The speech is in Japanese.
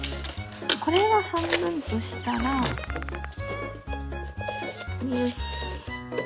これを半分としたらよし。